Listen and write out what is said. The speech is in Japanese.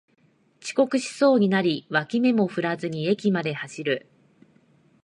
遅刻しそうになり脇目も振らずに駅まで走る